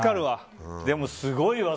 でも、すごいわ。